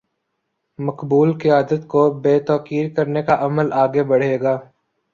مقبول قیادت کو بے توقیر کرنے کا عمل آگے بڑھے گا۔